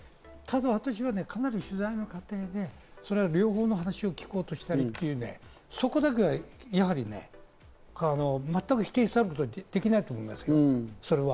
それはね、ただ私はかなり取材の過程で両方の話を聞こうとしたりという、そこだけはやはりね、全く否定できないと思いますよ、それは。